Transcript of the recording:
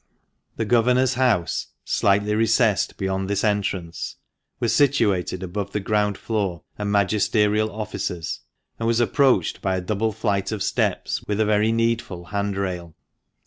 The Governor's house, slightly recessed FINAL APPENDIX. 475 beyond this entrance, was situated above the ground floor and magisterial offices, and was approached by a double flight of steps with a very needful handrail.